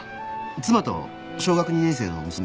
妻と小学２年生の娘。